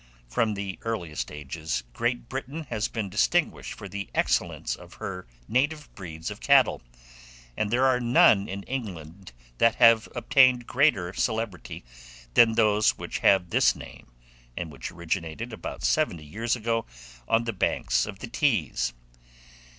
From the earliest ages, Great Britain has been distinguished for the excellence of her native breeds of cattle, and there are none in England that have obtained greater celebrity than those which have this name, and which originated, about seventy years ago, on the banks of the Tees.